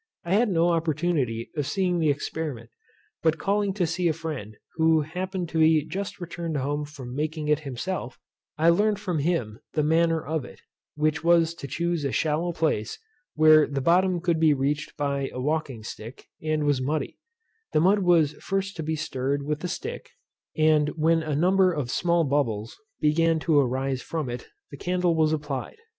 I had no opportunity of seeing the experiment; but calling to see a friend who happened to be just returned home from making it himself, I learned from him the manner of it; which was to choose a shallow place, where the bottom could be reached by a walking stick, and was muddy; the mud was first to be stirred with the stick, and when a number of small bubbles began to arise from it, the candle was applied.